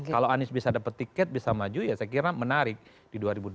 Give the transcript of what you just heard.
kalau anies bisa dapat tiket bisa maju ya saya kira menarik di dua ribu dua puluh